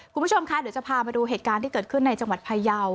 คุณผู้ชมคะเดี๋ยวจะพามาดูเหตุการณ์ที่เกิดขึ้นในจังหวัดพยาว